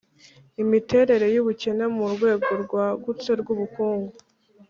imiterere y'ubukene mu rwego rwagutse rw'ubukungu,